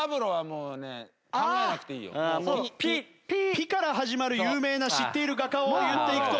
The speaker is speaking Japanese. ピから始まる有名な知っている画家を言っていくと。